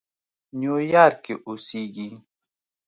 نیویارک کې اوسېږي.